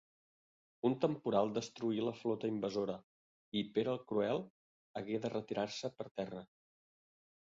Un temporal destruí la flota invasora, i Pere el Cruel hagué de retirar-se per terra.